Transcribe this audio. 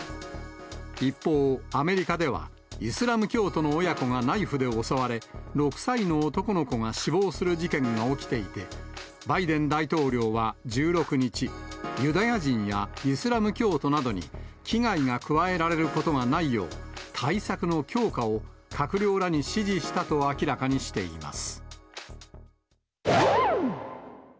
一方、アメリカではイスラム教徒の親子がナイフで襲われ、６歳の男の子が死亡する事件が起きていて、バイデン大統領は１６日、ユダヤ人やイスラム教徒などに、危害が加えられることがないよう、対策の強化を閣僚らに指示したと明らかにしています。